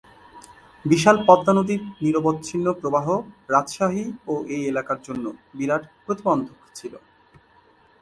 বিশাল পদ্মা নদীর নিরবচ্ছিন্ন প্রবাহ রাজশাহী ও এই এলাকার জন্য বিরাট প্রতিবন্ধক ছিল।